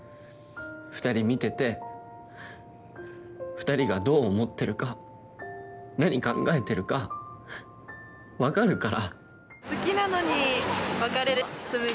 ２人見てて２人がどう思ってるか何、考えてるか分かるから。